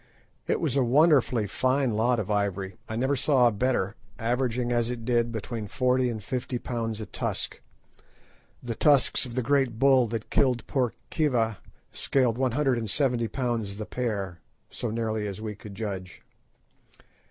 It was a wonderfully fine lot of ivory. I never saw a better, averaging as it did between forty and fifty pounds a tusk. The tusks of the great bull that killed poor Khiva scaled one hundred and seventy pounds the pair, so nearly as we could judge.